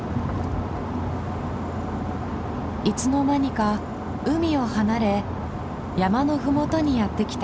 いつの間にか海を離れ山の麓にやって来た。